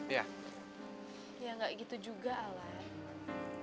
ya gak gitu juga alan